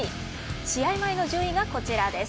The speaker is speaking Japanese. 試合前の順位が、こちらです。